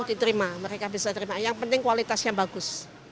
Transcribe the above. oh diterima mereka bisa diterima yang penting kualitasnya bagus